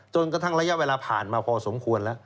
กระทั่งระยะเวลาผ่านมาพอสมควรแล้ว